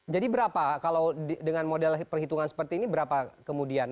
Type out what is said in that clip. jadi berapa kalau dengan model perhitungan seperti ini berapa kemudian